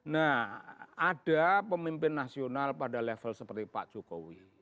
nah ada pemimpin nasional pada level seperti pak jokowi